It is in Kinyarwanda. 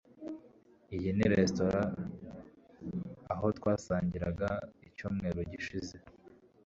iyi ni resitora aho twasangiraga icyumweru gishize